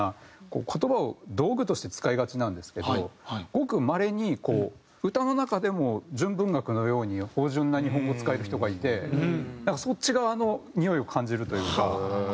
言葉を道具として使いがちなんですけどごくまれに歌の中でも純文学のように芳醇な日本語を使える人がいてなんかそっち側のにおいを感じるというか。